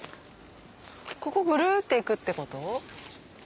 ここグルって行くってこと？